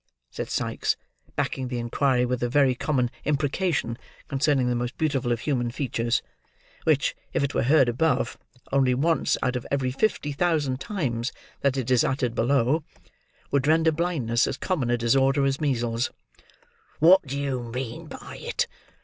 said Sikes; backing the inquiry with a very common imprecation concerning the most beautiful of human features: which, if it were heard above, only once out of every fifty thousand times that it is uttered below, would render blindness as common a disorder as measles: "what do you mean by it?